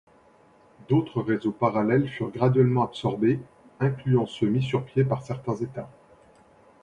D'autres réseaux parallèles furent graduellement absorbés, incluant ceux mis sur pieds par certains États.